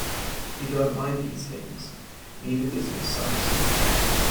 You don't mind these things; neither does Miss Summerson.